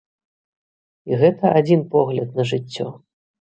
І гэта адзін погляд на жыццё.